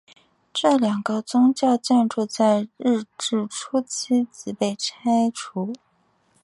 这两个宗教建筑在日治初期即被拆除。